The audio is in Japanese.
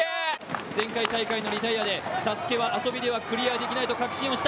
前回大会のリタイアでＳＡＳＵＫＥは遊びではクリアできないと確信した。